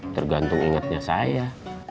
tergantung ingatnya saya